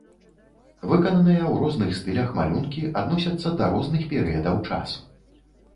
Выкананыя ў розных стылях, малюнкі адносяцца да розных перыядаў часу.